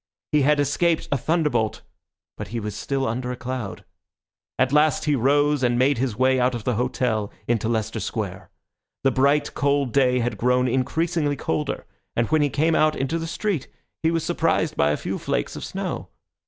He had escaped a thunderbolt, but he was still under a cloud. At last he rose and made his way out of the hotel into Leicester Square. The bright, cold day had grown increasingly colder, and when he came out into the street he was surprised by a few flakes of snow.